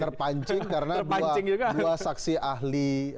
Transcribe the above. terpancing karena dua saksi ahli